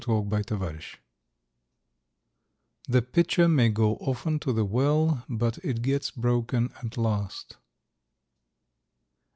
THE RUSSET PITCHER "The Pitcher may go often to the Well, but it gets broken at last."